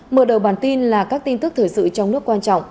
mở đầu bản tin là các tin tức thời sự trong nước quan trọng